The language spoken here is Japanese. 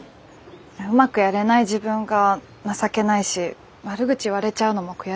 うまくやれない自分が情けないし悪口言われちゃうのも悔しいし。